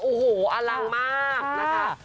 โอ้โหอลังมากนะคะ